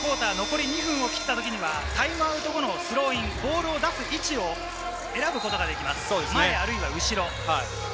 第４クオーター、残り２分を切ったときにタイムアウト後のスローイン、ボールを出す位置を選ぶことができます。